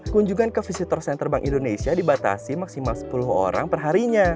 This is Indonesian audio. kunjungan ke visitors center bank indonesia dibatasi maksimal sepuluh orang perharinya